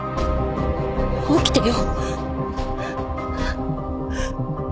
起きてよ。